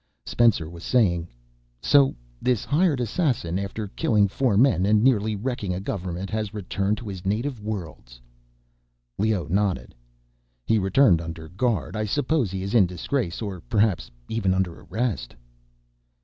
Spencer was saying, "So this hired assassin, after killing four men and nearly wrecking a government, has returned to his native worlds." Leoh nodded. "He returned under guard. I suppose he is in disgrace, or perhaps even under arrest."